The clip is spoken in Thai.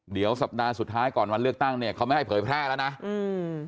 เดี๋ยวสัปดาห์สุดท้ายก่อนวันเลือกตั้งเนี้ยเขาไม่ให้เผยแพร่แล้วนะอืม